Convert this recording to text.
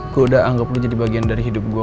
gue udah anggap lo jadi bagian dari hidup gue